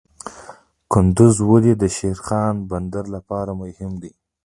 کندز ولې د شیرخان بندر لپاره مهم دی؟